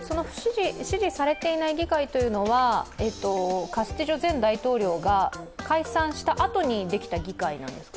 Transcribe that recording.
支持されていない議会というのはカスティジョ前大統領が解散したあとにできた議会なんですか？